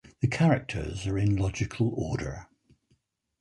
The characters are in logical order.